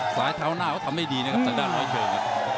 สายแถวหน้าก็ทำได้ดีนะครับสักด้านร้อยเชิง